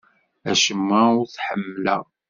Acemma ur t-ḥemmleɣ.